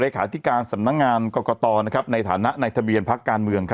ที่การสำนักงานกรกตในฐานะในทะเบียนพักการเมือง